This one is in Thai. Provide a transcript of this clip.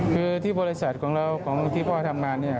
คือที่บริษัทของเราของที่พ่อทำงานเนี่ย